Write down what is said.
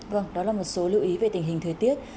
vâng đó là một số lưu ý về tình hình thời tiết